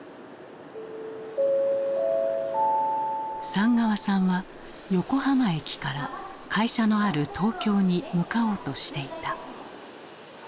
寒川さんは横浜駅から会社のある東京に向かおうとしていた。